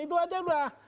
itu aja udah